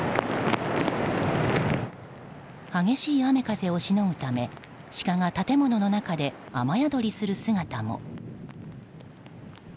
激しい雨風をしのぐためシカが建物の中で雨宿りする姿も。